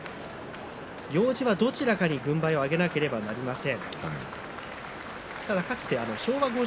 行司はどちらかに軍配を上げなければいけません。